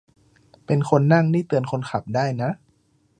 เป็นคนนั่งนี่เตือนคนขับได้นะ